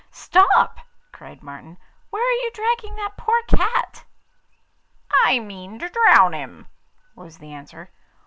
'Stop,' cried Martin; 'where are you dragging that poor cat?' 'I mean to drown him,' was the answer.